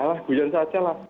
ah guyon saja lah